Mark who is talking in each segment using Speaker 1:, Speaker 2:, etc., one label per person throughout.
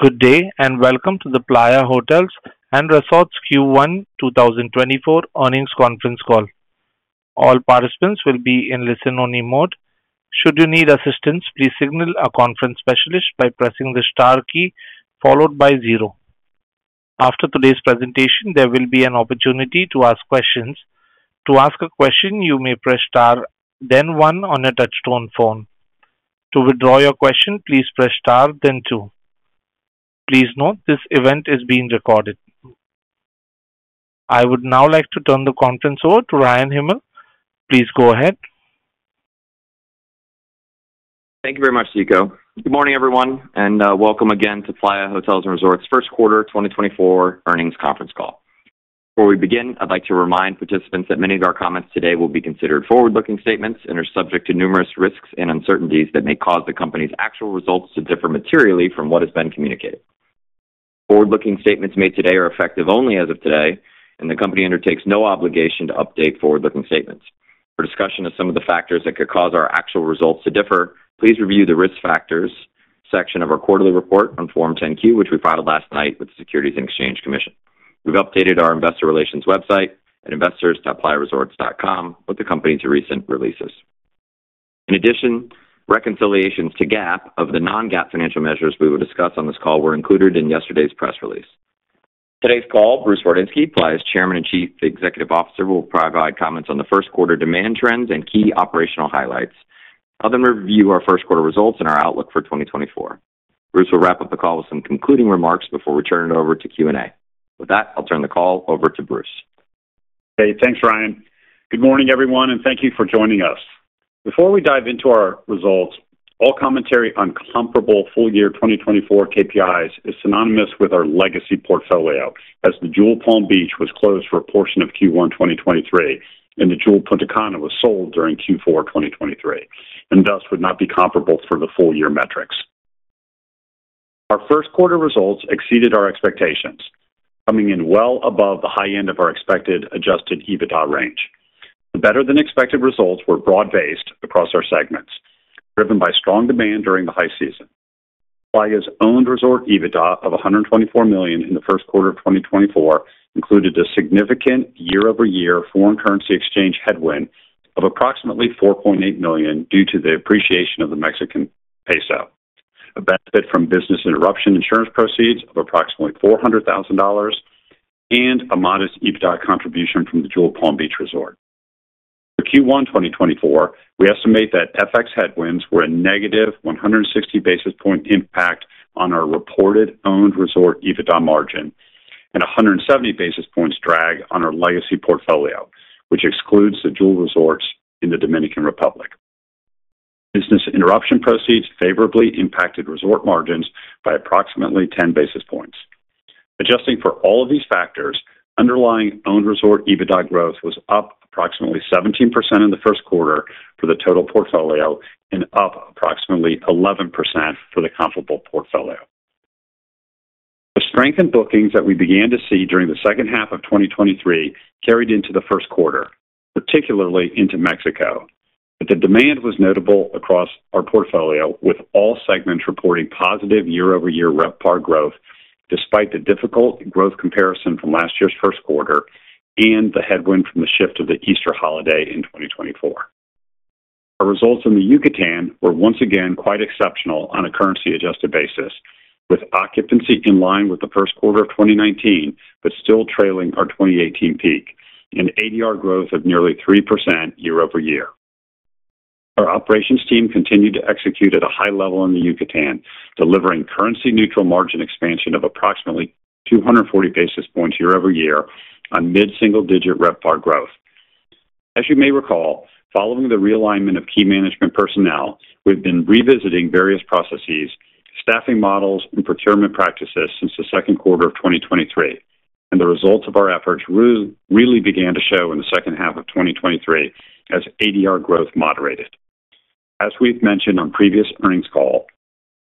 Speaker 1: Good day, and welcome to the Playa Hotels & Resorts Q1 2024 Earnings Conference Call. All participants will be in listen-only mode. Should you need assistance, please signal a conference specialist by pressing the star key followed by zero. After today's presentation, there will be an opportunity to ask questions. To ask a question, you may press star then one on a touchtone phone. To withdraw your question, please press star then two. Please note, this event is being recorded. I would now like to turn the conference over to Ryan Hymel. Please go ahead.
Speaker 2: Thank you very much, Ziko. Good morning, everyone, and welcome again to Playa Hotels & Resorts' First Quarter 2024 Earnings Conference Call. Before we begin, I'd like to remind participants that many of our comments today will be considered forward-looking statements and are subject to numerous risks and uncertainties that may cause the company's actual results to differ materially from what has been communicated. Forward-looking statements made today are effective only as of today, and the company undertakes no obligation to update forward-looking statements. For discussion of some of the factors that could cause our actual results to differ, please review the Risk Factors section of our quarterly report on Form 10-Q, which we filed last night with the Securities and Exchange Commission. We've updated our investor relations website at investors.playaresorts.com with the company's recent releases. In addition, reconciliations to GAAP of the non-GAAP financial measures we will discuss on this call were included in yesterday's press release. Today's call, Bruce Wardinski, Playa's Chairman and Chief Executive Officer, will provide comments on the first quarter demand trends and key operational highlights. I'll then review our first quarter results and our outlook for 2024. Bruce will wrap up the call with some concluding remarks before we turn it over to Q&A. With that, I'll turn the call over to Bruce.
Speaker 3: Okay, thanks, Ryan. Good morning, everyone, and thank you for joining us. Before we dive into our results, all commentary on comparable full year 2024 KPIs is synonymous with our legacy portfolio, as the Jewel Palm Beach was closed for a portion of Q1 2023, and the Jewel Punta Cana was sold during Q4 2023, and thus would not be comparable for the full year metrics. Our first quarter results exceeded our expectations, coming in well above the high end of our expected Adjusted EBITDA range. The better-than-expected results were broad-based across our segments, driven by strong demand during the high season. Playa's owned resort EBITDA of $124 million in the first quarter of 2024 included a significant year-over-year foreign currency exchange headwind of approximately $4.8 million due to the appreciation of the Mexican peso, a benefit from business interruption insurance proceeds of approximately $400,000, and a modest EBITDA contribution from the Jewel Palm Beach resort. For Q1 2024, we estimate that FX headwinds were a negative 160 basis points impact on our reported owned resort EBITDA margin and 170 basis points drag on our legacy portfolio, which excludes the Jewel Resorts in the Dominican Republic. Business interruption proceeds favorably impacted resort margins by approximately 10 basis points. Adjusting for all of these factors, underlying owned resort EBITDA growth was up approximately 17% in the first quarter for the total portfolio and up approximately 11% for the comparable portfolio. The strength in bookings that we began to see during the second half of 2023 carried into the first quarter, particularly into Mexico, but the demand was notable across our portfolio, with all segments reporting positive year-over-year RevPAR growth, despite the difficult growth comparison from last year's first quarter and the headwind from the shift of the Easter holiday in 2024. Our results in the Yucatan were once again quite exceptional on a currency-adjusted basis, with occupancy in line with the first quarter of 2019, but still trailing our 2018 peak, and ADR growth of nearly 3% year-over-year. Our operations team continued to execute at a high level in the Yucatan, delivering currency-neutral margin expansion of approximately 240 basis points year-over-year on mid-single-digit RevPAR growth. As you may recall, following the realignment of key management personnel, we've been revisiting various processes, staffing models, and procurement practices since the second quarter of 2023, and the results of our efforts really began to show in the second half of 2023 as ADR growth moderated. As we've mentioned on previous earnings calls,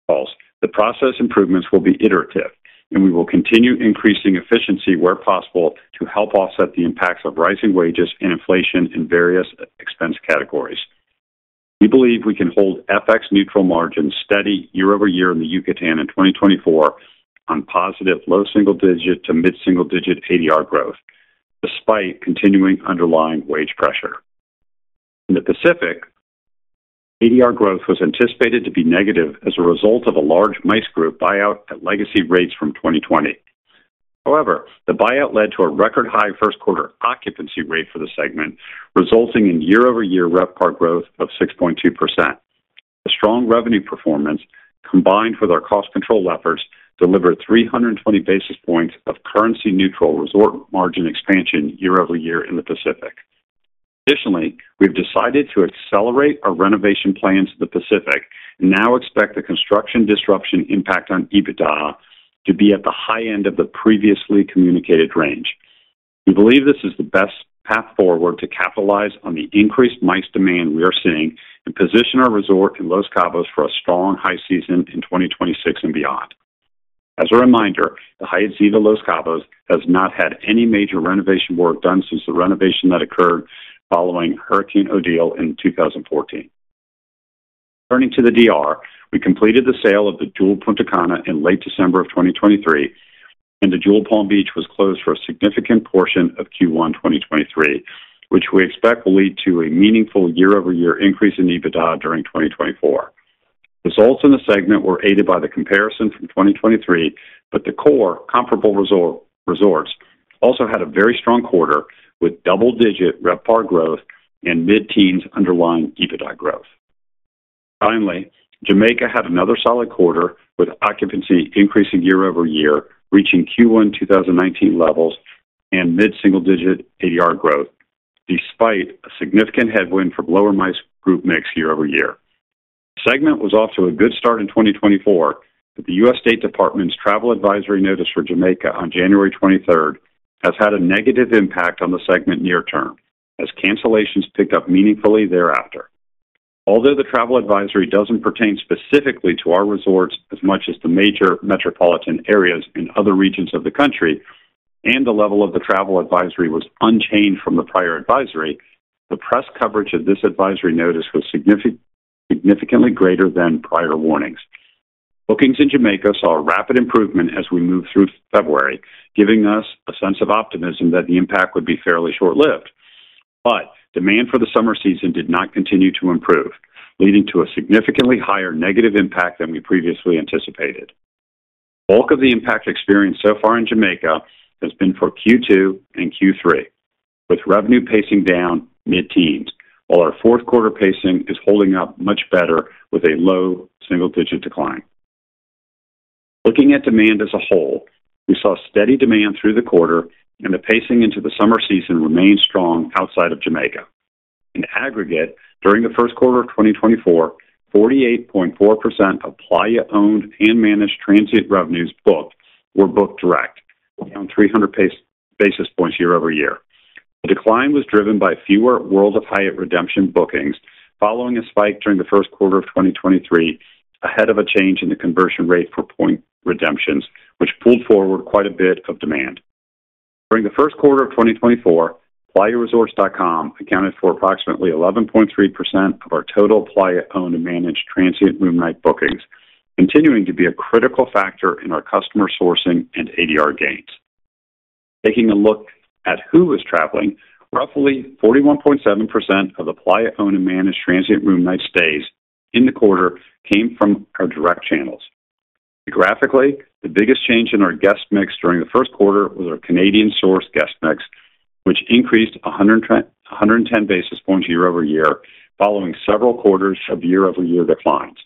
Speaker 3: the process improvements will be iterative, and we will continue increasing efficiency where possible to help offset the impacts of rising wages and inflation in various expense categories. We believe we can hold FX neutral margins steady year-over-year in the Yucatan in 2024 on positive low single-digit to mid single-digit ADR growth, despite continuing underlying wage pressure. In the Pacific, ADR growth was anticipated to be negative as a result of a large MICE group buyout at legacy rates from 2020. However, the buyout led to a record high first quarter occupancy rate for the segment, resulting in year-over-year RevPAR growth of 6.2%. The strong revenue performance, combined with our cost control efforts, delivered 320 basis points of currency-neutral resort margin expansion year-over-year in the Pacific. Additionally, we've decided to accelerate our renovation plans to the Pacific and now expect the construction disruption impact on EBITDA to be at the high end of the previously communicated range. We believe this is the best path forward to capitalize on the increased MICE demand we are seeing and position our resort in Los Cabos for a strong high season in 2026 and beyond. As a reminder, the Hyatt Ziva Los Cabos has not had any major renovation work done since the renovation that occurred following Hurricane Odile in 2014. Turning to the DR, we completed the sale of the Jewel Punta Cana in late December of 2023, and the Jewel Palm Beach was closed for a significant portion of Q1, 2023, which we expect will lead to a meaningful year-over-year increase in EBITDA during 2024. Results in the segment were aided by the comparison from 2023, but the core comparable resort, resorts also had a very strong quarter, with double-digit RevPAR growth and mid-teens underlying EBITDA growth. Finally, Jamaica had another solid quarter, with occupancy increasing year-over-year, reaching Q1 2019 levels and mid-single-digit ADR growth, despite a significant headwind from lower MICE group mix year-over-year. The segment was off to a good start in 2024, but the U.S. State Department's travel advisory notice for Jamaica on January 23rd has had a negative impact on the segment near term, as cancellations picked up meaningfully thereafter. Although the travel advisory doesn't pertain specifically to our resorts as much as the major metropolitan areas in other regions of the country, and the level of the travel advisory was unchanged from the prior advisory, the press coverage of this advisory notice was significant, significantly greater than prior warnings. Bookings in Jamaica saw a rapid improvement as we moved through February, giving us a sense of optimism that the impact would be fairly short-lived. But demand for the summer season did not continue to improve, leading to a significantly higher negative impact than we previously anticipated. Bulk of the impact experienced so far in Jamaica has been for Q2 and Q3, with revenue pacing down mid-teens, while our fourth quarter pacing is holding up much better with a low single digit decline. Looking at demand as a whole, we saw steady demand through the quarter, and the pacing into the summer season remained strong outside of Jamaica. In aggregate, during the first quarter of 2024, 48.4% of Playa owned and managed transient revenues booked were booked direct, down 300 basis points year-over-year. The decline was driven by fewer World of Hyatt redemption bookings following a spike during the first quarter of 2023, ahead of a change in the conversion rate for point redemptions, which pulled forward quite a bit of demand. During the first quarter of 2024, playaresorts.com accounted for approximately 11.3% of our total Playa-owned and managed transient room night bookings, continuing to be a critical factor in our customer sourcing and ADR gains. Taking a look at who is traveling, roughly 41.7% of the Playa-owned and managed transient room night stays in the quarter came from our direct channels. Graphically, the biggest change in our guest mix during the first quarter was our Canadian source guest mix, which increased 110, 110 basis points year-over-year, following several quarters of year-over-year declines.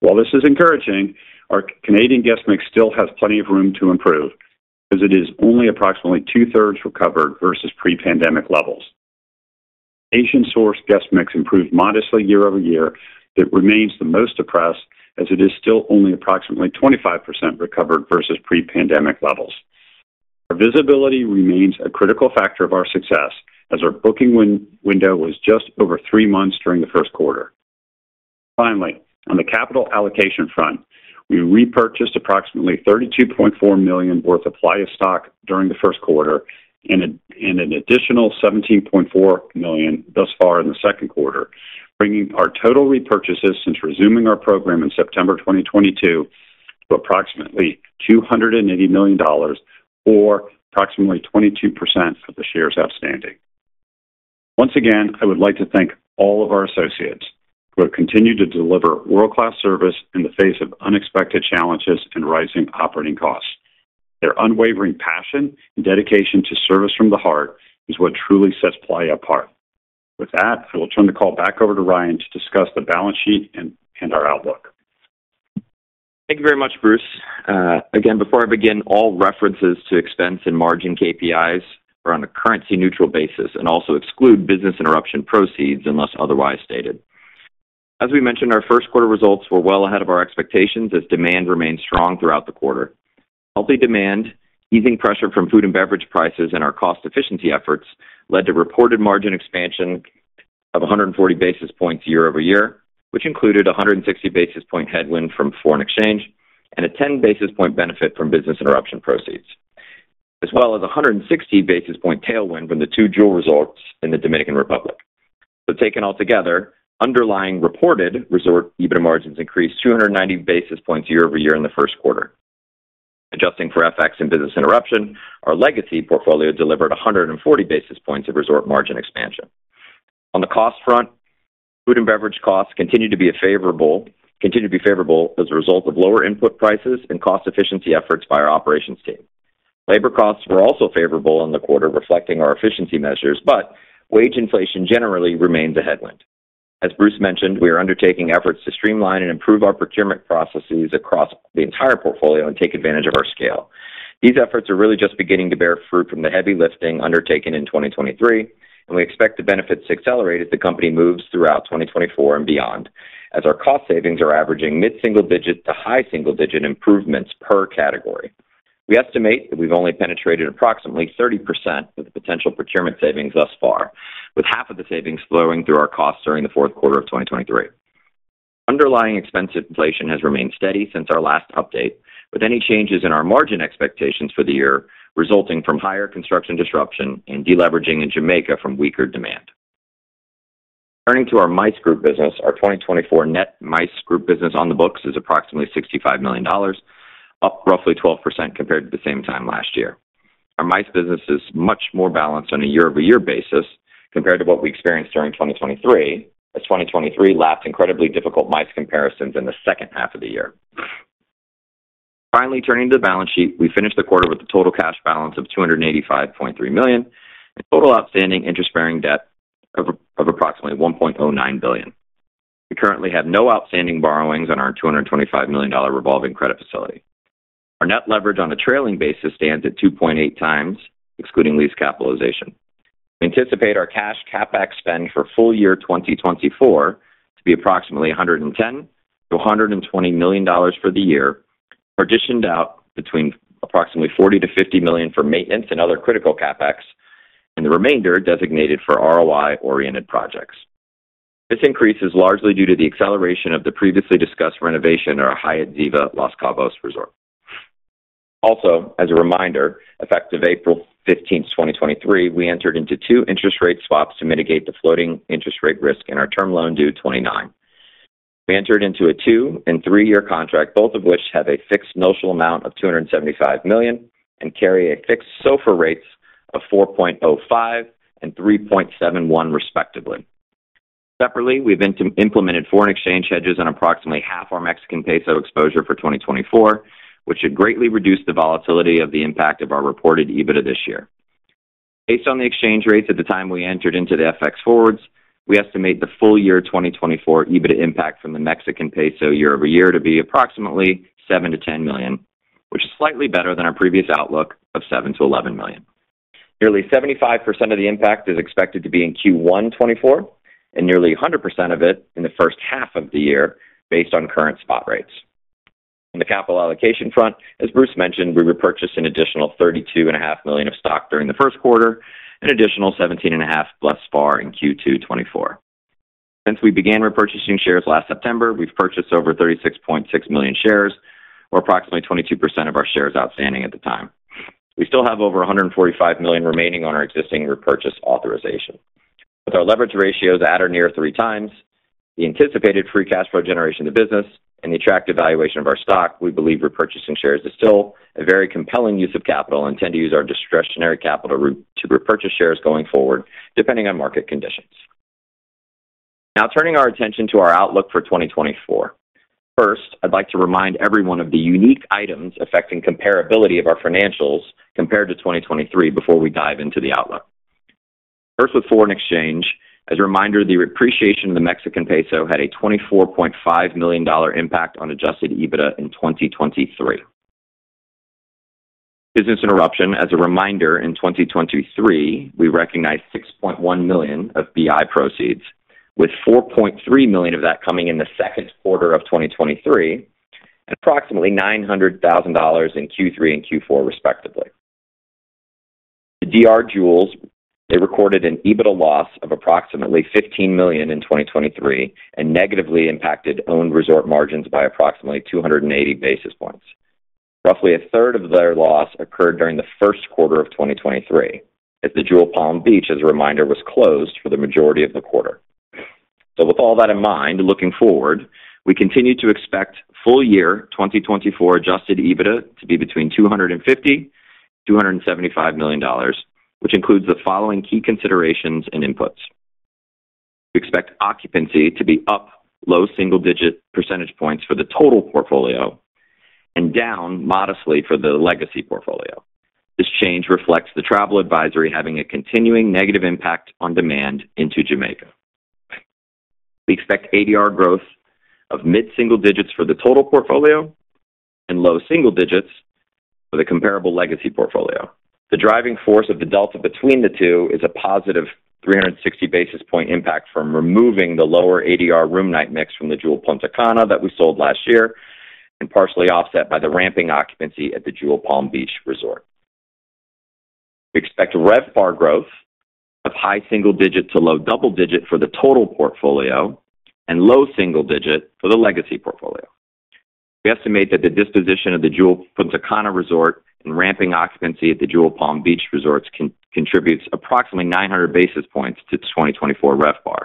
Speaker 3: While this is encouraging, our Canadian guest mix still has plenty of room to improve, as it is only approximately two-thirds recovered versus pre-pandemic levels. Asian source guest mix improved modestly year-over-year. It remains the most depressed, as it is still only approximately 25% recovered versus pre-pandemic levels. Our visibility remains a critical factor of our success as our booking win-window was just over 3 months during the first quarter. Finally, on the capital allocation front, we repurchased approximately $32.4 million worth of Playa stock during the first quarter and an additional $17.4 million thus far in the second quarter, bringing our total repurchases since resuming our program in September 2022 to approximately $280 million or approximately 22% of the shares outstanding. Once again, I would like to thank all of our associates who have continued to deliver world-class service in the face of unexpected challenges and rising operating costs. Their unwavering passion and dedication to service from the heart is what truly sets Playa apart. With that, I will turn the call back over to Ryan to discuss the balance sheet and our outlook.
Speaker 2: Thank you very much, Bruce. Again, before I begin, all references to expense and margin KPIs are on a currency neutral basis and also exclude business interruption proceeds unless otherwise stated. As we mentioned, our first quarter results were well ahead of our expectations as demand remained strong throughout the quarter. Healthy demand, easing pressure from food and beverage prices, and our cost efficiency efforts led to reported margin expansion of 140 basis points year-over-year, which included a 160 basis point headwind from foreign exchange and a 10 basis point benefit from business interruption proceeds, as well as a 160 basis point tailwind from the two Jewel resorts in the Dominican Republic. So taken altogether, underlying reported resort EBITDA margins increased 290 basis points year-over-year in the first quarter. Adjusting for FX and Business Interruption, our legacy portfolio delivered 140 basis points of resort margin expansion. On the cost front, food and beverage costs continued to be favorable as a result of lower input prices and cost-efficiency efforts by our operations team. Labor costs were also favorable in the quarter, reflecting our efficiency measures, but wage inflation generally remained a headwind. As Bruce mentioned, we are undertaking efforts to streamline and improve our procurement processes across the entire portfolio and take advantage of our scale. These efforts are really just beginning to bear fruit from the heavy lifting undertaken in 2023, and we expect the benefits to accelerate as the company moves throughout 2024 and beyond, as our cost savings are averaging mid-single-digit to high single-digit improvements per category. We estimate that we've only penetrated approximately 30% of the potential procurement savings thus far, with half of the savings flowing through our costs during the fourth quarter of 2023. Underlying expense inflation has remained steady since our last update, with any changes in our margin expectations for the year resulting from higher construction disruption and deleveraging in Jamaica from weaker demand. Turning to our MICE group business, our 2024 net MICE group business on the books is approximately $65 million, up roughly 12% compared to the same time last year. Our MICE business is much more balanced on a year-over-year basis compared to what we experienced during 2023, as 2023 lapped incredibly difficult MICE comparisons in the second half of the year. Finally, turning to the balance sheet. We finished the quarter with a total cash balance of $285.3 million, and total outstanding interest-bearing debt of approximately $1.09 billion. We currently have no outstanding borrowings on our $225 million revolving credit facility. Our net leverage on a trailing basis stands at 2.8 times, excluding lease capitalization. We anticipate our cash CapEx spend for full year 2024 to be approximately $110 million-$120 million for the year, partitioned out between approximately $40 million-$50 million for maintenance and other critical CapEx, and the remainder designated for ROI-oriented projects. This increase is largely due to the acceleration of the previously discussed renovation at our Hyatt Ziva Los Cabos resort. Also, as a reminder, effective April 15th, 2023, we entered into two interest rate swaps to mitigate the floating interest rate risk in our term loan due 2029. We entered into a 2- and 3-year contract, both of which have a fixed notional amount of $275 million and carry fixed SOFR rates of 4.05% and 3.71%, respectively. Separately, we've implemented foreign exchange hedges on approximately half our Mexican peso exposure for 2024, which should greatly reduce the volatility of the impact of our reported EBITDA this year. Based on the exchange rates at the time we entered into the FX forwards, we estimate the full-year 2024 EBITDA impact from the Mexican peso year-over-year to be approximately $7 million-$10 million, which is slightly better than our previous outlook of $7 million-$11 million. Nearly 75% of the impact is expected to be in Q1 2024, and nearly 100% of it in the first half of the year, based on current spot rates. On the capital allocation front, as Bruce mentioned, we repurchased an additional $32.5 million of stock during the first quarter, an additional $17.5 million so far in Q2 2024. Since we began repurchasing shares last September, we've purchased over 36.6 million shares, or approximately 22% of our shares outstanding at the time. We still have over $145 million remaining on our existing repurchase authorization. With our leverage ratios at or near 3x, the anticipated free cash flow generation of the business, and the attractive valuation of our stock, we believe repurchasing shares is still a very compelling use of capital and tend to use our discretionary capital to repurchase shares going forward, depending on market conditions. Now turning our attention to our outlook for 2024. First, I'd like to remind everyone of the unique items affecting comparability of our financials compared to 2023 before we dive into the outlook. First, with foreign exchange, as a reminder, the appreciation of the Mexican peso had a $24.5 million impact on Adjusted EBITDA in 2023. Business interruption. As a reminder, in 2023, we recognized $6.1 million of BI proceeds, with $4.3 million of that coming in the second quarter of 2023, and approximately $900,000 in Q3 and Q4, respectively. The DR Jewels, they recorded an EBITDA loss of approximately $15 million in 2023 and negatively impacted owned resort margins by approximately 280 basis points. Roughly a third of their loss occurred during the first quarter of 2023, as the Jewel Palm Beach, as a reminder, was closed for the majority of the quarter. So with all that in mind, looking forward, we continue to expect full year 2024 adjusted EBITDA to be between $250 million-$275 million, which includes the following key considerations and inputs. We expect occupancy to be up low single-digit percentage points for the total portfolio and down modestly for the legacy portfolio. This change reflects the travel advisory having a continuing negative impact on demand into Jamaica. We expect ADR growth of mid-single digits for the total portfolio and low single digits for the comparable legacy portfolio. The driving force of the delta between the two is a positive 360 basis point impact from removing the lower ADR room night mix from the Jewel Punta Cana that we sold last year, and partially offset by the ramping occupancy at the Jewel Palm Beach Resort. We expect RevPAR growth of high single digit to low double digit for the total portfolio and low single digit for the legacy portfolio. We estimate that the disposition of the Jewel Punta Cana Resort and ramping occupancy at the Jewel Palm Beach Resorts contributes approximately 900 basis points to 2024 RevPAR,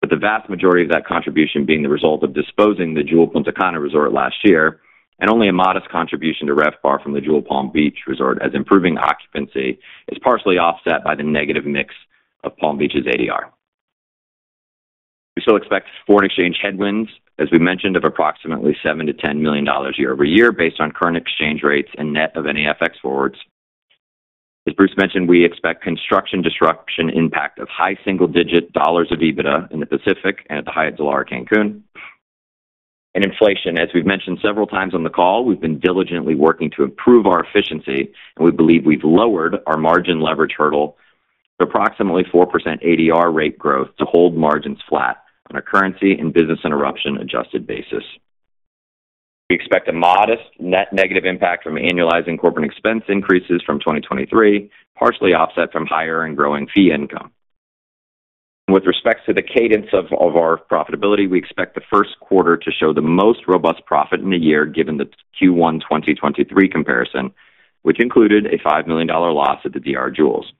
Speaker 2: but the vast majority of that contribution being the result of disposing the Jewel Punta Cana Resort last year, and only a modest contribution to RevPAR from the Jewel Palm Beach Resort, as improving occupancy is partially offset by the negative mix of Palm Beach's ADR. We still expect foreign exchange headwinds, as we mentioned, of approximately $7 million-$10 million year-over-year, based on current exchange rates and net of any FX forwards. As Bruce mentioned, we expect construction disruption impact of high single-digit dollars of EBITDA in the Pacific and at the Hyatt Zilara Cancun. Inflation, as we've mentioned several times on the call, we've been diligently working to improve our efficiency, and we believe we've lowered our margin leverage hurdle to approximately 4% ADR rate growth to hold margins flat on a currency and business interruption adjusted basis. We expect a modest net negative impact from annualizing corporate expense increases from 2023, partially offset from higher and growing fee income. With respect to the cadence of our profitability, we expect the first quarter to show the most robust profit in a year, given the Q1 2023 comparison, which included a $5 million loss at the DR Jewels.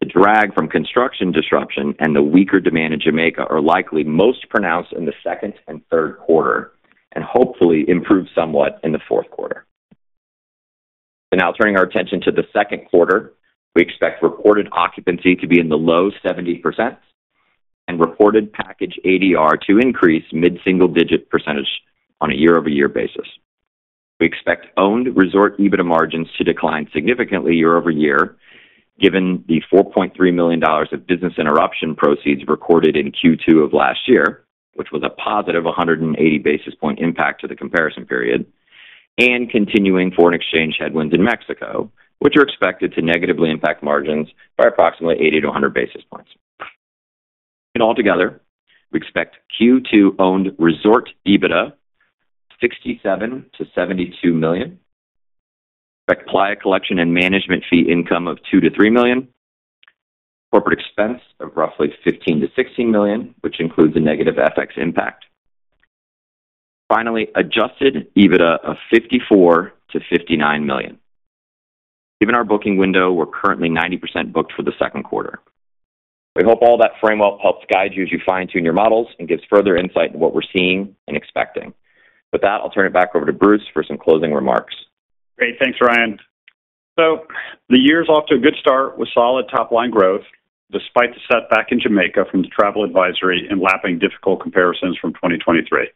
Speaker 2: The drag from construction disruption and the weaker demand in Jamaica are likely most pronounced in the second and third quarter and hopefully improve somewhat in the fourth quarter. So now turning our attention to the second quarter. We expect reported occupancy to be in the low 70% and reported package ADR to increase mid-single-digit percentage on a year-over-year basis. We expect owned resort EBITDA margins to decline significantly year-over-year, given the $4.3 million of business interruption proceeds recorded in Q2 of last year, which was a positive 180 basis points impact to the comparison period and continuing foreign exchange headwinds in Mexico, which are expected to negatively impact margins by approximately 80-100 basis points. Altogether, we expect Q2 owned resort EBITDA, $67 million-$72 million. Expect The Playa Collection and management fee income of $2 million-$3 million. Corporate expense of roughly $15 million-$16 million, which includes a negative FX impact. Finally, adjusted EBITDA of $54 million-$59 million. Given our booking window, we're currently 90% booked for the second quarter. We hope all that framework helps guide you as you fine-tune your models and gives further insight into what we're seeing and expecting. With that, I'll turn it back over to Bruce for some closing remarks.
Speaker 3: Great. Thanks, Ryan. So the year's off to a good start with solid top-line growth, despite the setback in Jamaica from the travel advisory and lapping difficult comparisons from 2023.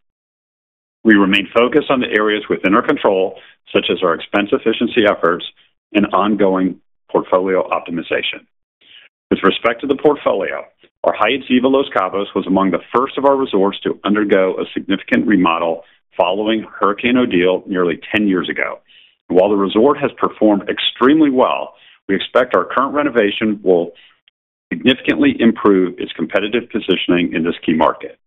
Speaker 3: We remain focused on the areas within our control, such as our expense efficiency efforts and ongoing portfolio optimization. With respect to the portfolio, our Hyatt Ziva Los Cabos was among the first of our resorts to undergo a significant remodel following Hurricane Odile nearly 10 years ago. While the resort has performed extremely well, we expect our current renovation will significantly improve its competitive positioning in this key market.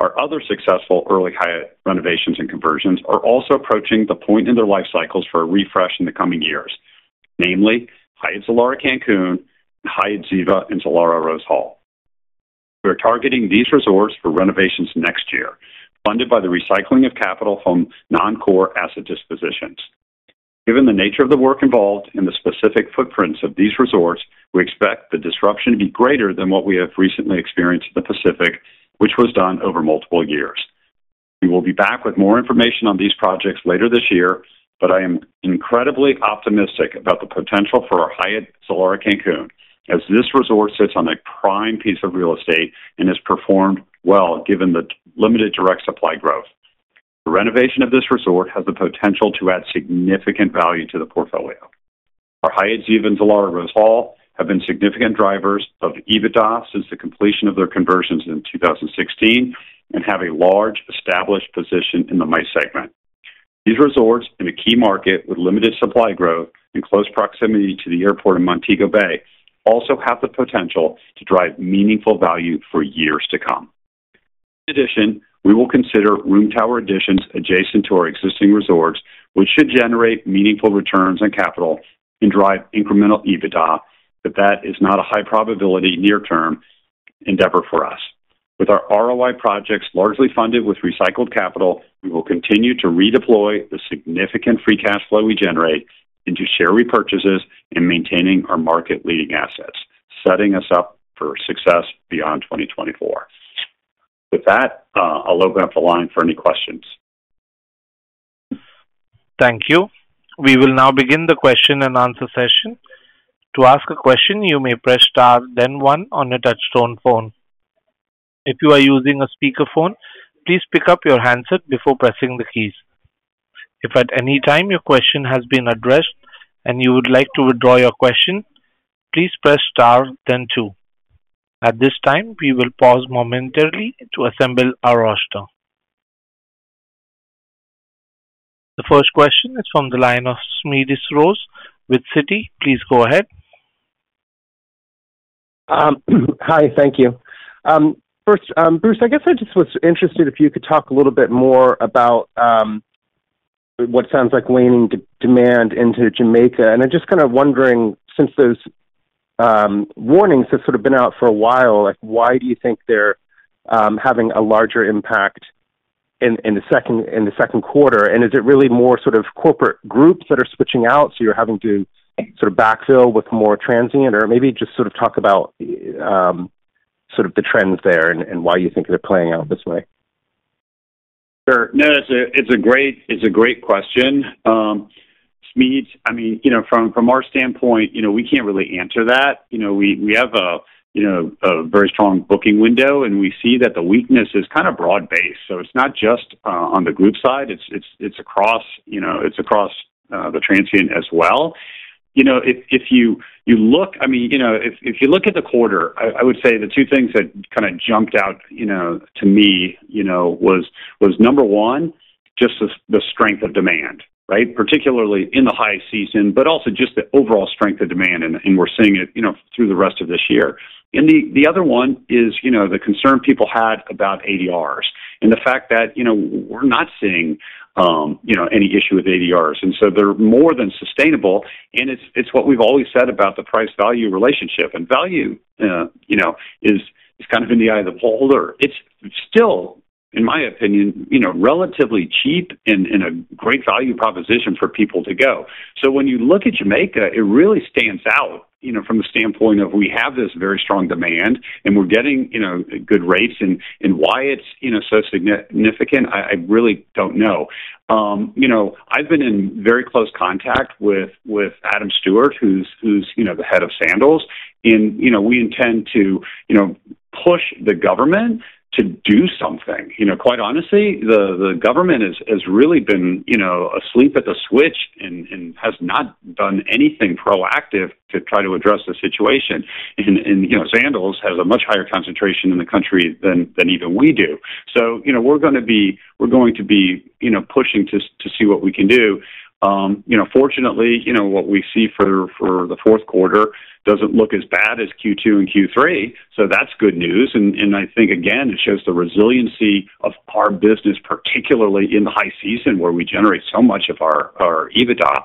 Speaker 3: Our other successful early Hyatt renovations and conversions are also approaching the point in their life cycles for a refresh in the coming years, namely Hyatt Zilara Cancun and Hyatt Ziva and Zilara Rose Hall. We are targeting these resorts for renovations next year, funded by the recycling of capital from non-core asset dispositions. Given the nature of the work involved and the specific footprints of these resorts, we expect the disruption to be greater than what we have recently experienced in the Pacific, which was done over multiple years. We will be back with more information on these projects later this year, but I am incredibly optimistic about the potential for our Hyatt Zilara Cancun, as this resort sits on a prime piece of real estate and has performed well given the limited direct supply growth. The renovation of this resort has the potential to add significant value to the portfolio. Our Hyatt Ziva and Zilara Rose Hall have been significant drivers of the EBITDA since the completion of their conversions in 2016 and have a large established position in the MICE segment. These resorts, in a key market with limited supply growth and close proximity to the airport in Montego Bay, also have the potential to drive meaningful value for years to come. In addition, we will consider room tower additions adjacent to our existing resorts, which should generate meaningful returns on capital and drive incremental EBITDA, but that is not a high probability near-term endeavor for us. With our ROI projects largely funded with recycled capital, we will continue to redeploy the significant free cash flow we generate into share repurchases and maintaining our market-leading assets, setting us up for success beyond 2024. With that, I'll open up the line for any questions.
Speaker 1: Thank you. We will now begin the question and answer session. To ask a question, you may press Star, then One on your touchtone phone. If you are using a speakerphone, please pick up your handset before pressing the keys. If at any time your question has been addressed and you would like to withdraw your question, please press Star then Two. At this time, we will pause momentarily to assemble our roster. The first question is from the line of Smedes Rose with Citi. Please go ahead.
Speaker 4: Hi. Thank you. First, Bruce, I guess I just was interested if you could talk a little bit more about what sounds like waning demand into Jamaica. And I'm just kind of wondering, since those warnings have sort of been out for a while, like, why do you think they're having a larger impact in the second quarter? And is it really more sort of corporate groups that are switching out, so you're having to sort of backfill with more transient? Or maybe just sort of talk about sort of the trends there and why you think they're playing out this way.
Speaker 3: Sure. No, it's a great question. Smedes, I mean, you know, from our standpoint, you know, we can't really answer that. You know, we have a very strong booking window, and we see that the weakness is kind of broad-based. So it's not just on the group side. It's across the transient as well. You know, if you look- I mean, you know, if you look at the quarter, I would say the two things that kind of jumped out, you know, to me, you know, was number one- just the strength of demand, right? Particularly in the high season, but also just the overall strength of demand, and we're seeing it, you know, through the rest of this year. And the other one is, you know, the concern people had about ADRs and the fact that, you know, we're not seeing, you know, any issue with ADRs, and so they're more than sustainable. And it's what we've always said about the price value relationship and value, you know, is kind of in the eye of the beholder. It's still, in my opinion, you know, relatively cheap and a great value proposition for people to go. So when you look at Jamaica, it really stands out, you know, from the standpoint of we have this very strong demand and we're getting, you know, good rates and why it's, you know, so significant, I really don't know. You know, I've been in very close contact with Adam Stewart, who's you know, the head of Sandals, and, you know, we intend to, you know, push the government to do something. You know, quite honestly, the government has really been, you know, asleep at the switch and has not done anything proactive to try to address the situation. You know, Sandals has a much higher concentration in the country than even we do. So, you know, we're going to be, you know, pushing to see what we can do. You know, fortunately, you know, what we see for the fourth quarter doesn't look as bad as Q2 and Q3, so that's good news. I think, again, it shows the resiliency of our business, particularly in the high season, where we generate so much of our EBITDA.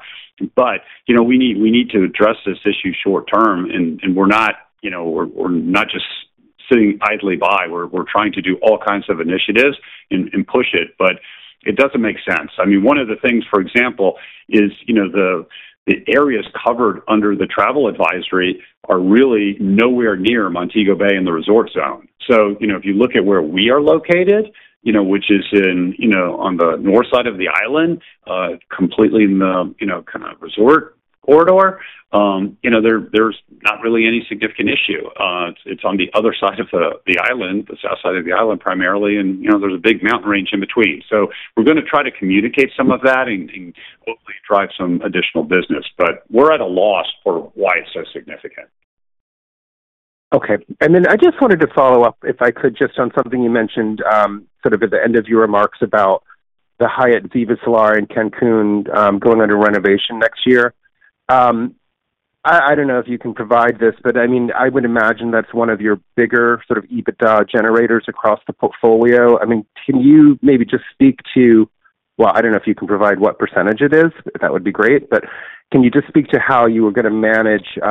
Speaker 3: But, you know, we need to address this issue short term, and we're not, you know, we're not just sitting idly by. We're trying to do all kinds of initiatives and push it, but it doesn't make sense. I mean, one of the things, for example, is, you know, the areas covered under the travel advisory are really nowhere near Montego Bay in the resort zone. So, you know, if you look at where we are located, you know, which is in, you know, on the north side of the island, completely in the, you know, kind of resort corridor, you know, there's not really any significant issue. It's on the other side of the island, the south side of the island, primarily, and, you know, there's a big mountain range in between. So we're gonna try to communicate some of that and hopefully drive some additional business, but we're at a loss for why it's so significant.
Speaker 4: Okay. And then I just wanted to follow up, if I could, just on something you mentioned, sort of at the end of your remarks about the Hyatt Zilara Cancun going under renovation next year. I don't know if you can provide this, but I mean, I would imagine that's one of your bigger sort of EBITDA generators across the portfolio. I mean, can you maybe just speak to... Well, I don't know if you can provide what percentage it is, that would be great. But can you just speak to how you are gonna manage, you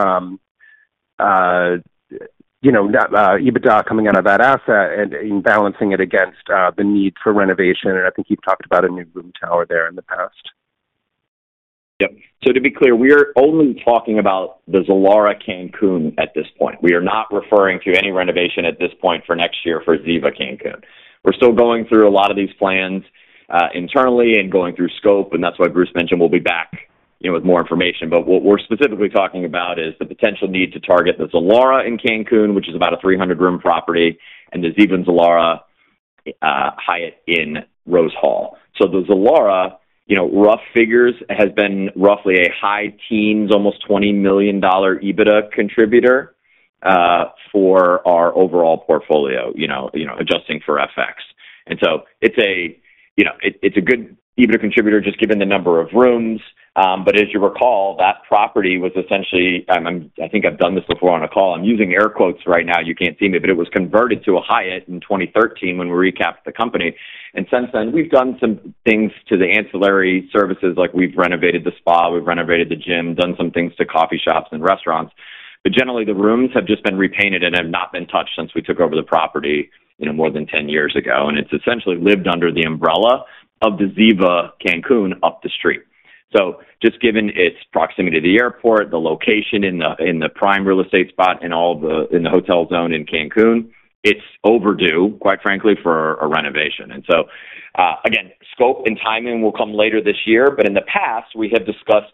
Speaker 4: know, that EBITDA coming out of that asset and in balancing it against the need for renovation? And I think you've talked about a new room tower there in the past.
Speaker 2: Yeah. So to be clear, we're only talking about the Zilara Cancun at this point. We are not referring to any renovation at this point for next year for Ziva Cancun. We're still going through a lot of these plans internally and going through scope, and that's why Bruce mentioned we'll be back, you know, with more information. But what we're specifically talking about is the potential need to target the Zilara in Cancun, which is about a 300-room property, and the Ziva Zilara Hyatt in Rose Hall. So the Zilara, you know, rough figures, has been roughly a high teens, almost $20 million EBITDA contributor for our overall portfolio, you know, you know, adjusting for FX. And so it's a, you know, it, it's a good EBITDA contributor, just given the number of rooms. But as you recall, that property was essentially... I think I've done this before on a call. I'm using air quotes right now, you can't see me, but it was "converted" to a Hyatt in 2013 when we recapitalized the company, and since then, we've done some things to the ancillary services, like we've renovated the spa, we've renovated the gym, done some things to coffee shops and restaurants. But generally, the rooms have just been repainted and have not been touched since we took over the property, you know, more than 10 years ago. It's essentially lived under the umbrella of the Ziva Cancun up the street. So just given its proximity to the airport, the location in the, in the prime real estate spot, in all the- in the hotel zone in Cancun, it's overdue, quite frankly, for a renovation. And so, again, scope and timing will come later this year, but in the past, we have discussed,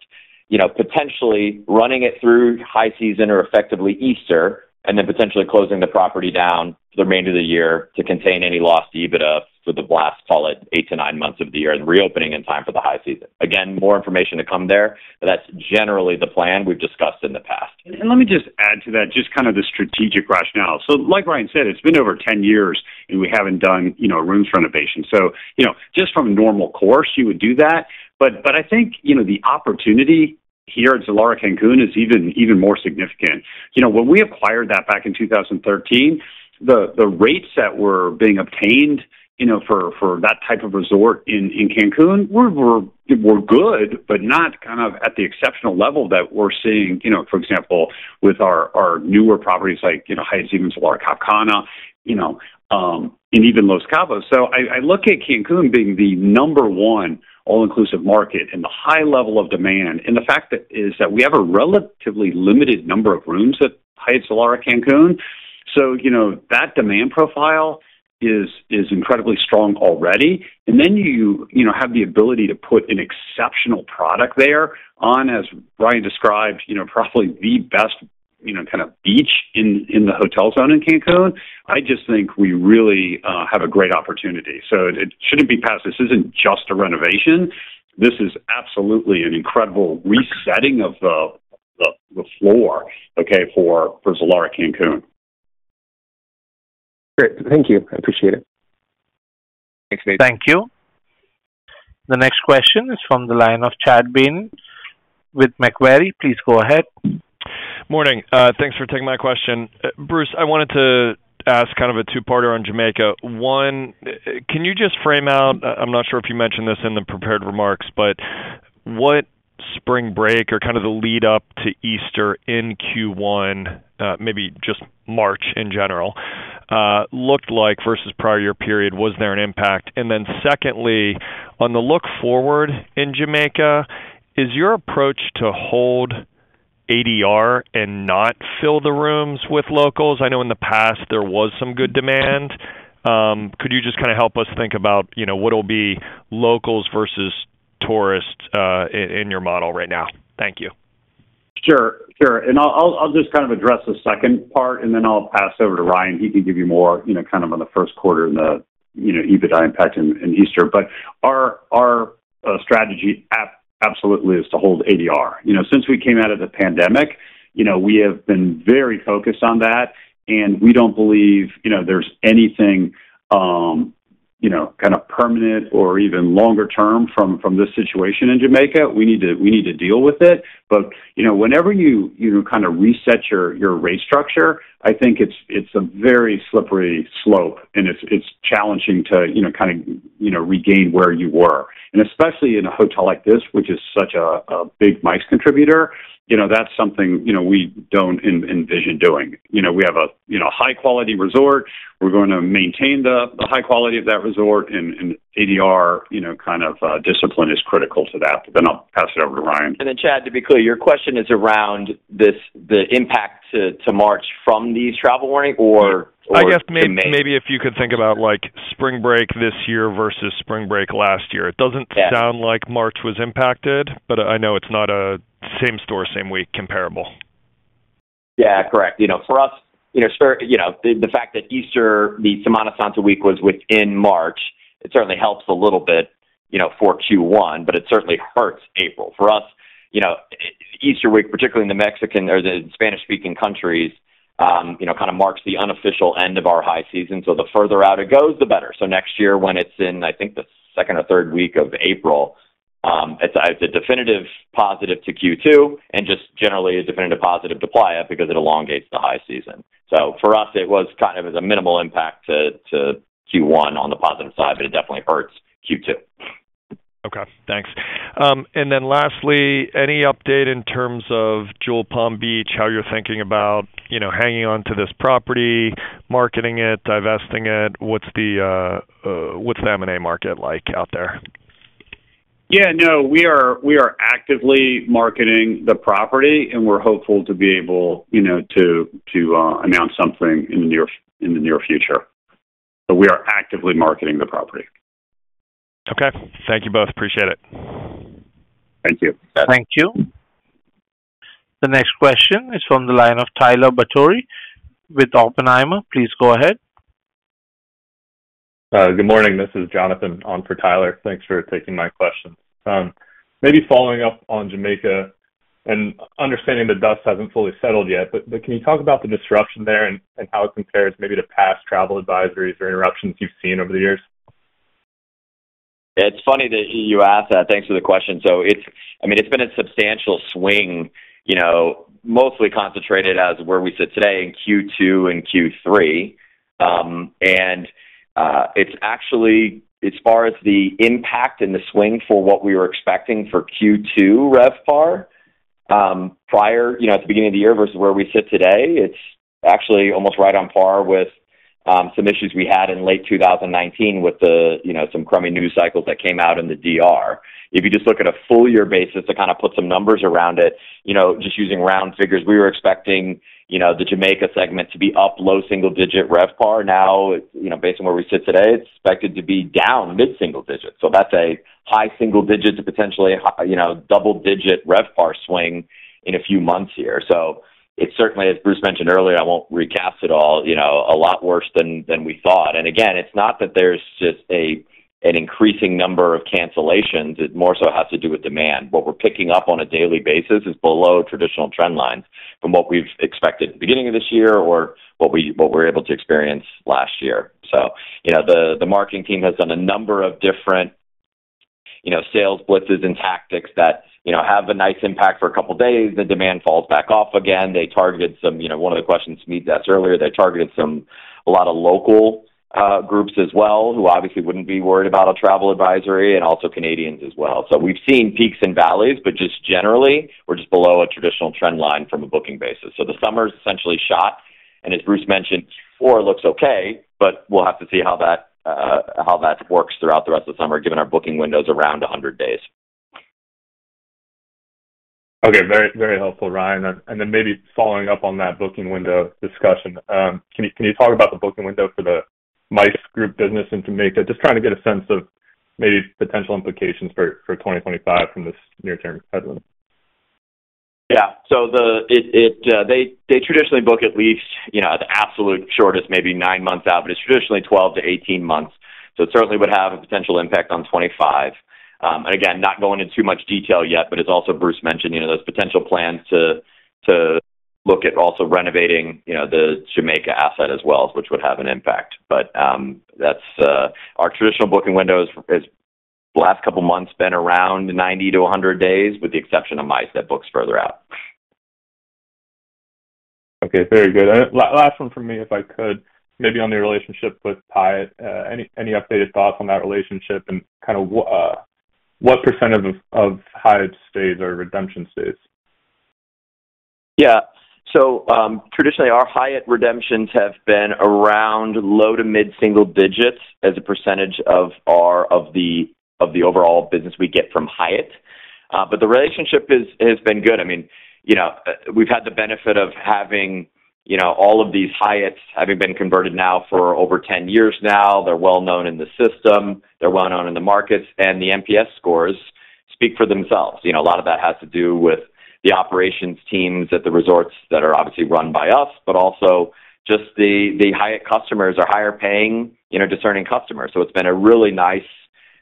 Speaker 2: you know, potentially running it through high season or effectively Easter, and then potentially closing the property down for the remainder of the year to contain any lost EBITDA for the last, call it, 8-9 months of the year, and reopening in time for the high season. Again, more information to come there, but that's generally the plan we've discussed in the past.
Speaker 3: And let me just add to that, just kind of the strategic rationale. So like Ryan said, it's been over 10 years, and we haven't done, you know, rooms renovation. So, you know, just from normal course, you would do that. But I think, you know, the opportunity here at Hyatt Zilara Cancun is even more significant. You know, when we acquired that back in 2013, the rates that were being obtained, you know, for that type of resort in Cancun were good, but not kind of at the exceptional level that we're seeing, you know, for example, with our newer properties like, you know, Hyatt Ziva Zilara Cap Cana, you know, and even Los Cabos. So I look at Cancun being the number one all-inclusive market and the high level of demand, and the fact that we have a relatively limited number of rooms at Hyatt Zilara Cancun. So, you know, that demand profile is incredibly strong already. And then you know, have the ability to put an exceptional product there on, as Ryan described, you know, probably the best, you know, kind of beach in the hotel zone in Cancun. I just think we really have a great opportunity, so it shouldn't be passed. This isn't just a renovation. This is absolutely an incredible resetting of the floor, okay, for Zilara Cancun.
Speaker 4: Great. Thank you. I appreciate it.
Speaker 3: Thanks.
Speaker 1: Thank you. The next question is from the line of Chad Beynon with Macquarie. Please go ahead.
Speaker 5: Morning. Thanks for taking my question. Bruce, I wanted to ask kind of a two-parter on Jamaica. One, can you just frame out, I'm not sure if you mentioned this in the prepared remarks, but what spring break or kind of the lead up to Easter in Q1, maybe just March in general, looked like versus prior year period. Was there an impact? And then secondly, on the look forward in Jamaica, is your approach to hold ADR and not fill the rooms with locals? I know in the past there was some good demand. Could you just kind of help us think about, you know, what'll be locals versus tourists, in your model right now? Thank you.
Speaker 3: Sure, sure. And I'll just kind of address the second part, and then I'll pass over to Ryan. He can give you more, you know, kind of on the first quarter and the, you know, EBITDA impact in Easter. But our strategy absolutely is to hold ADR. You know, since we came out of the pandemic, you know, we have been very focused on that, and we don't believe, you know, there's anything, you know, kind of permanent or even longer term from this situation in Jamaica. We need to deal with it. But, you know, whenever you kind of reset your rate structure, I think it's a very slippery slope, and it's challenging to, you know, kind of, you know, regain where you were. And especially in a hotel like this, which is such a big MICE contributor, you know, that's something, you know, we don't envision doing. You know, we have a, you know, high quality resort. We're going to maintain the high quality of that resort, and ADR, you know, kind of, discipline is critical to that. But then I'll pass it over to Ryan.
Speaker 2: Then, Chad, to be clear, your question is around this, the impact to March from these travel warning or to May?
Speaker 5: I guess maybe if you could think about, like, spring break this year versus spring break last year.
Speaker 2: Yeah.
Speaker 5: It doesn't sound like March was impacted, but I know it's not a same store, same week comparable.
Speaker 2: Yeah, correct. You know, for us, you know, you know, the fact that Easter, the Semana Santa week, was within March, it certainly helps a little bit, you know, for Q1, but it certainly hurts April. For us, you know, Easter week, particularly in the Mexican or the Spanish-speaking countries, you know, kind of marks the unofficial end of our high season, so the further out it goes, the better. So next year, when it's in, I think, the second or third week of April, it's a, it's a definitive positive to Q2 and just generally a definitive positive to Playa because it elongates the high season. So for us, it was kind of a minimal impact to, to Q1 on the positive side, but it definitely hurts Q2.
Speaker 5: Okay, thanks. Lastly, any update in terms of Jewel Palm Beach, how you're thinking about, you know, hanging on to this property, marketing it, divesting it? What's the M&A market like out there?
Speaker 3: Yeah, no, we are actively marketing the property, and we're hopeful to be able, you know, to announce something in the near future. But we are actively marketing the property.
Speaker 5: Okay. Thank you both. Appreciate it.
Speaker 3: Thank you.
Speaker 2: Thanks.
Speaker 1: Thank you. The next question is from the line of Tyler Batory with Oppenheimer. Please go ahead.
Speaker 6: Good morning. This is Jonathan on for Tyler. Thanks for taking my question. Maybe following up on Jamaica and understanding the dust hasn't fully settled yet, but can you talk about the disruption there and how it compares maybe to past travel advisories or interruptions you've seen over the years?
Speaker 2: It's funny that you asked that. Thanks for the question. So it's... I mean, it's been a substantial swing, you know, mostly concentrated as where we sit today in Q2 and Q3. It's actually, as far as the impact and the swing for what we were expecting for Q2 RevPAR, prior, you know, at the beginning of the year versus where we sit today, it's actually almost right on par with some issues we had in late 2019 with the, you know, some crummy news cycles that came out in the DR. If you just look at a full year basis to kind of put some numbers around it, you know, just using round figures, we were expecting, you know, the Jamaica segment to be up low single digit RevPAR. Now, you know, based on where we sit today, it's expected to be down mid-single digits. So that's a high single-digit to potentially, you know, double-digit RevPAR swing in a few months here. So it's certainly, as Bruce mentioned earlier, I won't recap it all, you know, a lot worse than, than we thought. And again, it's not that there's just a, an increasing number of cancellations, it more so has to do with demand. What we're picking up on a daily basis is below traditional trend lines from what we've expected at the beginning of this year or what we, what we were able to experience last year. So, you know, the, the marketing team has done a number of different, you know, sales blitzes and tactics that, you know, have a nice impact for a couple of days. The demand falls back off again. You know, one of the questions to me earlier, they targeted some, a lot of local groups as well, who obviously wouldn't be worried about a travel advisory, and also Canadians as well. So we've seen peaks and valleys, but just generally, we're just below a traditional trend line from a booking basis. So the summer's essentially shot, and as Bruce mentioned, Q4 looks okay, but we'll have to see how that works throughout the rest of the summer, given our booking window's around 100 days.
Speaker 6: Okay, very, very helpful, Ryan. And then maybe following up on that booking window discussion, can you, can you talk about the booking window for the MICE group business in Jamaica? Just trying to get a sense of maybe potential implications for 2025 from this near-term headwind.
Speaker 2: Yeah. So they traditionally book at least, you know, at the absolute shortest, maybe 9 months out, but it's traditionally 12-18 months. So it certainly would have a potential impact on 2025. And again, not going into too much detail yet, but as also Bruce mentioned, you know, those potential plans to look at also renovating, you know, the Jamaica asset as well, which would have an impact. But that's our traditional booking window is has the last couple of months been around 90-100 days, with the exception of MICE, that books further out.
Speaker 6: Okay, very good. Last one for me, if I could, maybe on the relationship with Hyatt. Any updated thoughts on that relationship and kind of what percentage of Hyatt stays are redemption stays?
Speaker 2: Yeah. So, traditionally, our Hyatt redemptions have been around low- to mid-single digits as a percentage of the overall business we get from Hyatt. But the relationship has been good. I mean, you know, we've had the benefit of having, you know, all of these Hyatts having been converted now for over 10 years now. They're well-known in the system, they're well-known in the markets, and the NPS scores speak for themselves. You know, a lot of that has to do with the operations teams at the resorts that are obviously run by us, but also just the Hyatt customers are higher paying, you know, discerning customers. So it's been a really nice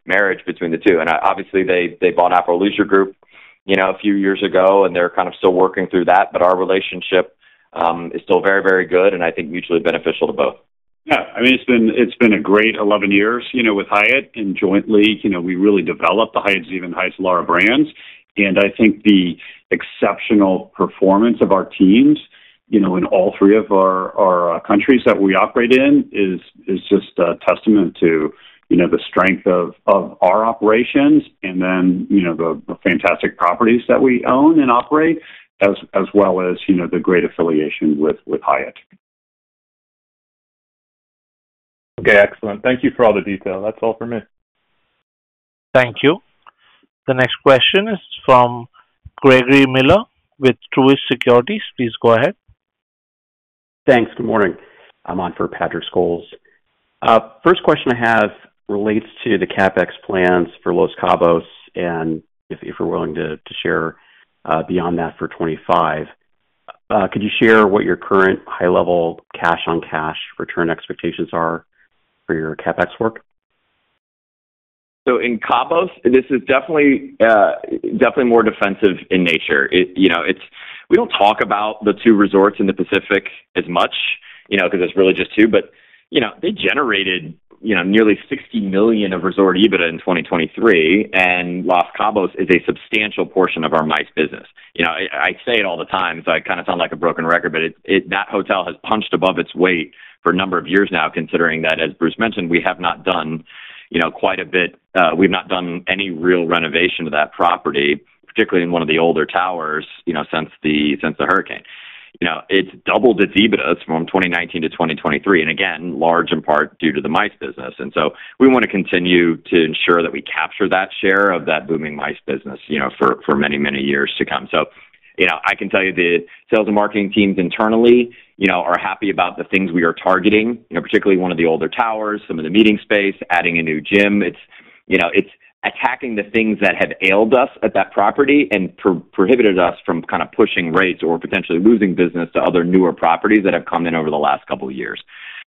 Speaker 2: marriage between the two. And obviously, they bought Apple Leisure Group, you know, a few years ago, and they're kind of still working through that. But our relationship is still very, very good and I think mutually beneficial to both.
Speaker 3: Yeah, I mean, it's been, it's been a great 11 years, you know, with Hyatt and jointly, you know, we really developed the Hyatt Ziva and Hyatt Zilara brands. And I think the exceptional performance of our teams, you know, in all 3 of our, our, countries that we operate in, is just a testament to, you know, the strength of our operations and then, you know, the fantastic properties that we own and operate as well as, you know, the great affiliation with Hyatt.
Speaker 6: Okay, excellent. Thank you for all the detail. That's all for me.
Speaker 1: Thank you. The next question is from Gregory Miller with Truist Securities. Please go ahead.
Speaker 7: Thanks. Good morning. I'm on for Patrick Scholes. First question I have relates to the CapEx plans for Los Cabos, and if you're willing to share, beyond that for 2025, could you share what your current high level cash on cash return expectations are for your CapEx work?
Speaker 2: So in Los Cabos, this is definitely definitely more defensive in nature. It, you know, it's we don't talk about the two resorts in the Pacific as much, you know, because it's really just two. But, you know, they generated, you know, nearly $60 million of resort EBITDA in 2023, and Los Cabos is a substantial portion of our MICE business. You know, I say it all the time, so I kind of sound like a broken record, but it that hotel has punched above its weight for a number of years now, considering that, as Bruce mentioned, we have not done, you know, quite a bit, we've not done any real renovation to that property, particularly in one of the older towers, you know, since the hurricane. You know, it's doubled its EBITDA from 2019 to 2023, and again, large in part due to the MICE business. And so we want to continue to ensure that we capture that share of that booming MICE business, you know, for many, many years to come. So, you know, I can tell you the sales and marketing teams internally, you know, are happy about the things we are targeting, you know, particularly one of the older towers, some of the meeting space, adding a new gym. It's, you know, it's attacking the things that have ailed us at that property and prohibited us from kind of pushing rates or potentially losing business to other newer properties that have come in over the last couple of years.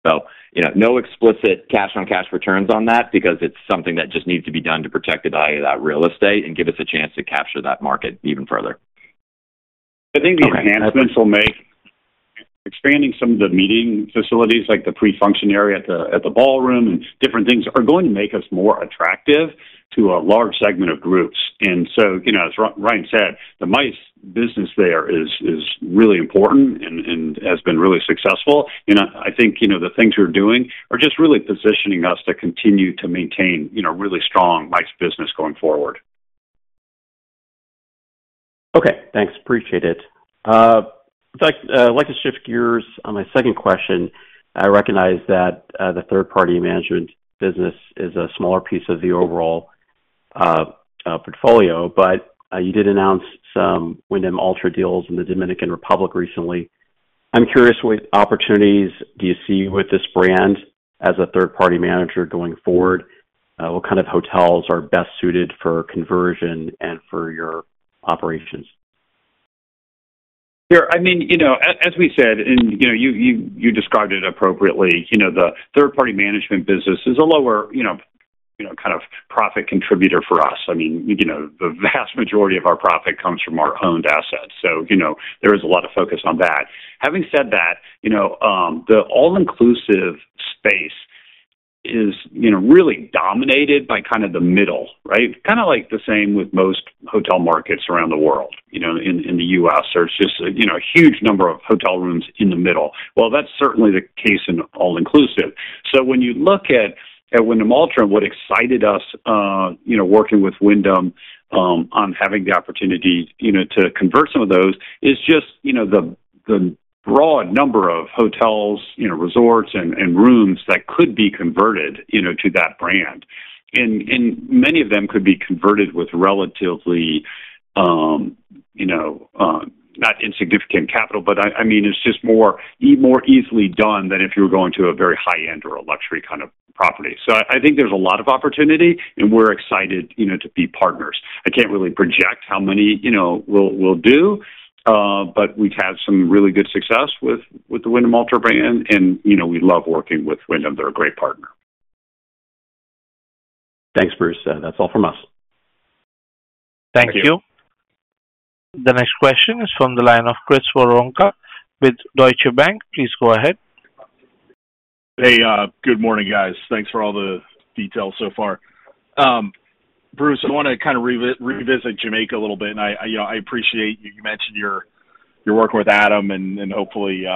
Speaker 2: So, you know, no explicit cash on cash returns on that because it's something that just needs to be done to protect the value of that real estate and give us a chance to capture that market even further.
Speaker 3: I think the enhancements will make. Expanding some of the meeting facilities, like the pre-function area at the ballroom and different things, are going to make us more attractive to a large segment of groups. And so, you know, as Ryan said, the MICE business there is really important and has been really successful. You know, I think, you know, the things we're doing are just really positioning us to continue to maintain, you know, really strong MICE business going forward.
Speaker 7: Okay, thanks. Appreciate it. I'd like to shift gears on my second question. I recognize that the third-party management business is a smaller piece of the overall portfolio, but you did announce some Wyndham Alltra deals in the Dominican Republic recently. I'm curious, what opportunities do you see with this brand as a third-party manager going forward? What kind of hotels are best suited for conversion and for your operations?
Speaker 3: Sure. I mean, you know, as we said, you know, you described it appropriately, you know, the third-party management business is a lower, you know, kind of profit contributor for us. I mean, you know, the vast majority of our profit comes from our owned assets. So, you know, there is a lot of focus on that. Having said that, you know, the all-inclusive space is, you know, really dominated by kind of the middle, right? Kind of like the same with most hotel markets around the world. You know, in the U.S., there's just, you know, a huge number of hotel rooms in the middle. Well, that's certainly the case in all-inclusive. So when you look at Wyndham Alltra, and what excited us, you know, working with Wyndham on having the opportunity, you know, to convert some of those, is just, you know, the broad number of hotels, you know, resorts and rooms that could be converted, you know, to that brand. And many of them could be converted with relatively, you know, not insignificant capital, but I mean, it's just more easily done than if you were going to a very high-end or a luxury kind of property. So I think there's a lot of opportunity, and we're excited, you know, to be partners. I can't really project how many, you know, we'll do, but we've had some really good success with the Wyndham Alltra brand, and, you know, we love working with Wyndham. They're a great partner.
Speaker 7: Thanks, Bruce. That's all from us.
Speaker 1: Thank you. The next question is from the line of Chris Woronka with Deutsche Bank. Please go ahead.
Speaker 8: Hey, good morning, guys. Thanks for all the details so far. Bruce, I wanna kind of revisit Jamaica a little bit, and I, you know, I appreciate you mentioned your, your work with Adam and, and hopefully,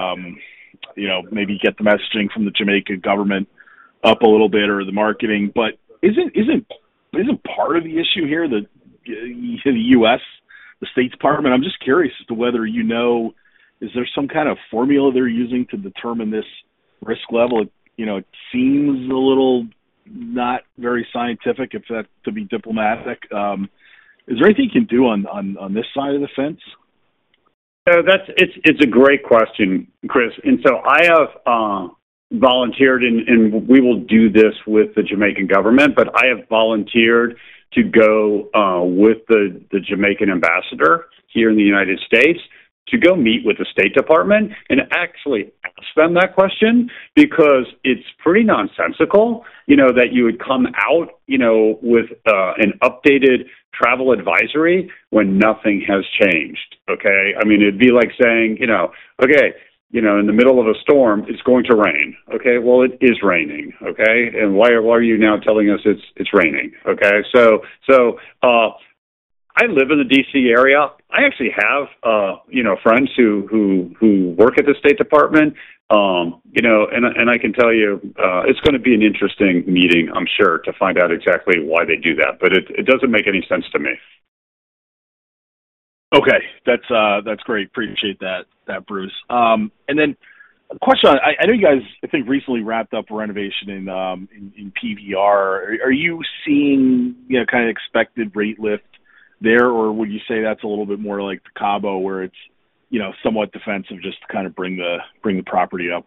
Speaker 8: you know, maybe get the messaging from the Jamaican government up a little bit or the marketing. But isn't part of the issue here that the U.S. State Department, I'm just curious as to whether you know, is there some kind of formula they're using to determine this risk level? You know, it seems a little not very scientific, if that's to be diplomatic. Is there anything you can do on this side of the fence?
Speaker 3: So that's it, it's a great question, Chris, and so I have volunteered and we will do this with the Jamaican government, but I have volunteered to go with the Jamaican ambassador here in the United States to go meet with the State Department and actually ask them that question, because it's pretty nonsensical, you know, that you would come out, you know, with an updated travel advisory when nothing has changed, okay? I mean, it'd be like saying, you know, okay, you know, in the middle of a storm, it's going to rain. Okay, well, it is raining, okay? And why are you now telling us it's raining, okay? So I live in the D.C. area. I actually have, you know, friends who work at the State Department. You know, and I can tell you, it's gonna be an interesting meeting, I'm sure, to find out exactly why they do that, but it doesn't make any sense to me.
Speaker 8: Okay. That's great. Appreciate that, Bruce. And then a question on... I know you guys, I think, recently wrapped up a renovation in PVR. Are you seeing, you know, kind of expected rate lift there, or would you say that's a little bit more like the Cabo, where it's, you know, somewhat defensive just to kind of bring the property up?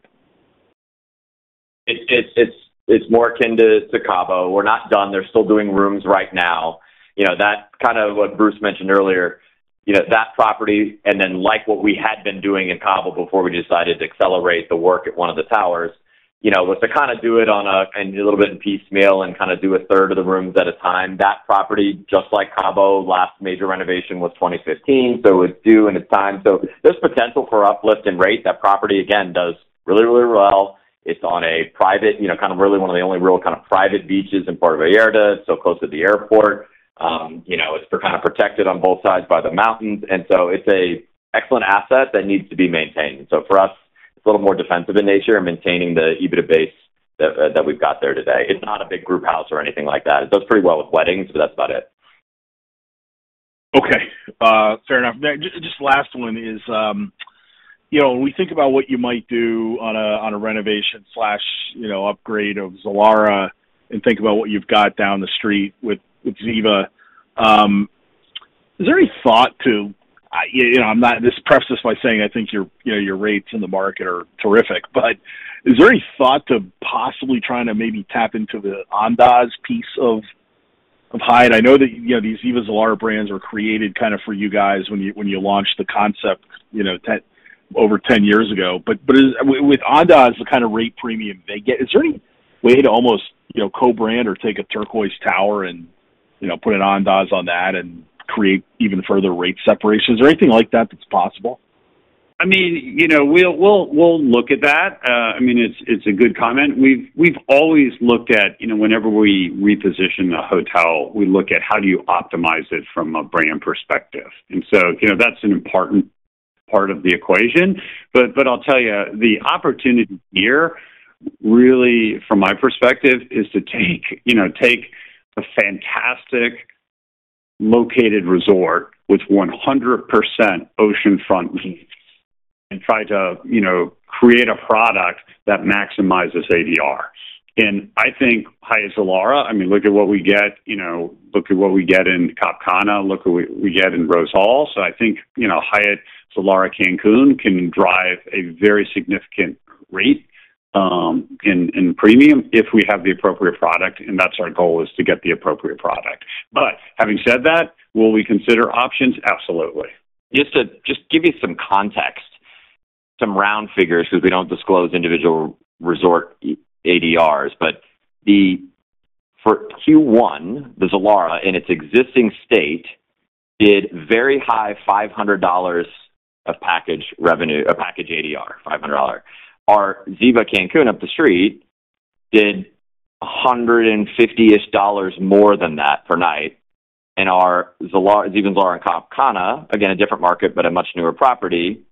Speaker 2: It's more akin to Cabo. We're not done. They're still doing rooms right now. You know, that kind of what Bruce mentioned earlier, you know, that property and then like what we had been doing in Cabo before we decided to accelerate the work at one of the towers, you know, was to kind of do it on a, kind of a little bit in piecemeal and kind of do a third of the rooms at a time. That property, just like Cabo, last major renovation was 2015, so it's due and it's time. So there's potential for uplift in rate. That property, again, does really, really well. It's on a private, you know, kind of really one of the only real kind of private beaches in Puerto Vallarta, so close to the airport. You know, it's kind of protected on both sides by the mountains, and so it's an excellent asset that needs to be maintained. So for us, it's a little more defensive in nature and maintaining the EBITDA base that we've got there today. It's not a big group house or anything like that. It does pretty well with weddings, but that's about it.
Speaker 8: Okay, fair enough. Then just last one is, you know, when we think about what you might do on a renovation slash, you know, upgrade of Zilara and think about what you've got down the street with Ziva, is there any thought to, you know, I'm not—just preface this by saying I think your, you know, your rates in the market are terrific, but is there any thought to possibly trying to maybe tap into the Andaz piece of Hyatt? I know that, you know, these Ziva Zilara brands were created kind of for you guys when you launched the concept, you know, over 10 years ago. But with Andaz, the kind of rate premium they get, is there any way to almost, you know, co-brand or take a Turquoise Tower and, you know, put an Andaz on that and create even further rate separation? Is there anything like that that's possible?
Speaker 3: I mean, you know, we'll look at that. I mean, it's a good comment. We've always looked at, you know, whenever we reposition a hotel, we look at how do you optimize it from a brand perspective. And so, you know, that's an important part of the equation. But I'll tell you, the opportunity here, really, from my perspective, is to take, you know, take a fantastic located resort with 100% oceanfront views and try to, you know, create a product that maximizes ADR. And I think Hyatt Zilara, I mean, look at what we get, you know, look at what we get in Cap Cana, look at what we get in Rose Hall. So I think, you know, Hyatt Zilara Cancun can drive a very significant rate in premium if we have the appropriate product, and that's our goal is to get the appropriate product. But having said that, will we consider options? Absolutely.
Speaker 2: Just to give you some context, some round figures, because we don't disclose individual resort ADRs, but the... For Q1, the Zilara, in its existing state, did very high $500 of package revenue, a package ADR, $500. Our Ziva Cancun up the street did $150-ish more than that per night, and our Ziva Zilara in Cap Cana, again, a different market but a much newer property,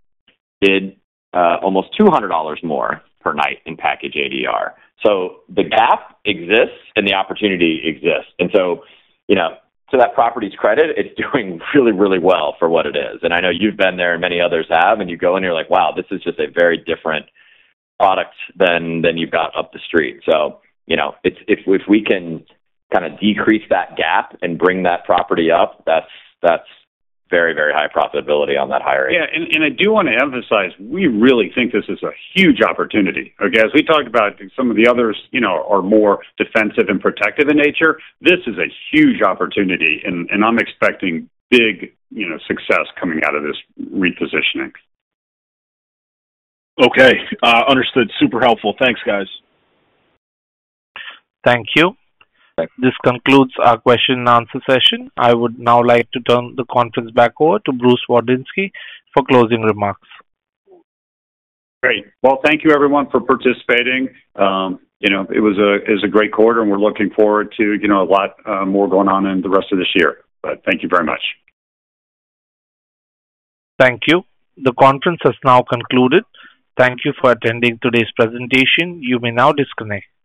Speaker 2: did almost $200 more per night in package ADR. So the gap exists and the opportunity exists. And so, you know, to that property's credit, it's doing really, really well for what it is. And I know you've been there and many others have, and you go in and you're like: Wow, this is just a very different product than you've got up the street. So, you know, it's if we can kind of decrease that gap and bring that property up. That's very, very high profitability on that higher end.
Speaker 3: Yeah, and I do want to emphasize, we really think this is a huge opportunity, okay? As we talked about, I think some of the others, you know, are more defensive and protective in nature. This is a huge opportunity, and I'm expecting big, you know, success coming out of this repositioning.
Speaker 8: Okay, understood. Super helpful. Thanks, guys.
Speaker 1: Thank you. This concludes our question-and-answer session. I would now like to turn the conference back over to Bruce Wardinsky for closing remarks.
Speaker 3: Great. Well, thank you everyone for participating. You know, it was a, it was a great quarter, and we're looking forward to, you know, a lot, more going on in the rest of this year. But thank you very much.
Speaker 1: Thank you. The conference has now concluded. Thank you for attending today's presentation. You may now disconnect.